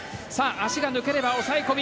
足が抜ければ抑え込み。